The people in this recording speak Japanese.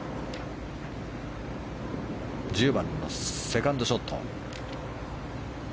１０番のセカンドショット。